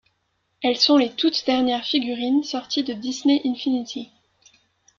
Elles sont les toutes dernières figurines sorties de Disney Infinity.